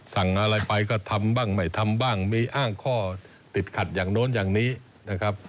สั่งอะไรไปก็ทำบ้างไม่ทำบ้างมีอ้างข้อติดขัดอย่างโน้นอย่างนี้นะครับ